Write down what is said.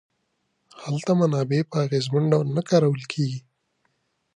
هلته منابع په اغېزمن ډول نه کارول کیږي.